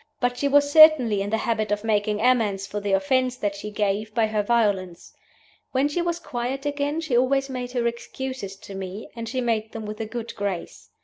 But she was certainly in the habit of making amends for the offense that she gave by her violence. When she was quiet again she always made her excuses to me, and she made them with a good grace.